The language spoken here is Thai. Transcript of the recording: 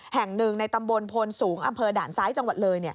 แห่งหนึ่งในตำบลโพนสูงอำเภอด่านซ้ายจังหวัดเลย